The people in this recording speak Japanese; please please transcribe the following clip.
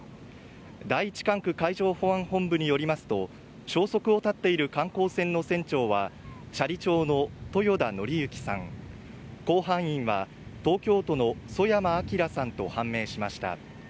第一管区海上保安部によりますと、消息を絶っている観光船の船長は斜里町の豊田徳幸さん、甲板員は東京都の曽山聖さんと判明しました。